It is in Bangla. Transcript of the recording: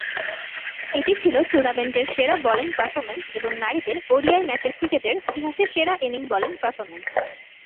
এটি ছিল টুর্নামেন্টের সেরা বোলিং পারফরম্যান্স এবং নারীদের ওডিআই ম্যাচের ক্রিকেটের ইতিহাসে সেরা ইনিংস বোলিং পারফরম্যান্স।